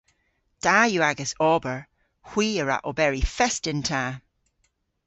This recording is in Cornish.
Da yw agas ober. Hwi a wra oberi fest yn ta!